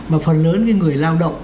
mà phần lớn người lao động